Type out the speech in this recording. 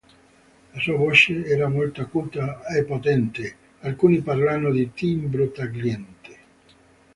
La sua voce era molto acuta e potente, alcuni parlano di timbro tagliente.